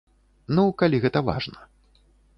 Ну, калі гэта важна.